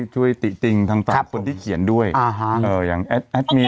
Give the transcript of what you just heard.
ช่วยติติ่งทั้งต่ำคนที่เขียนด้วยอ่าฮะเอ่ออย่างหรอแคร้วแคร้วเนอะ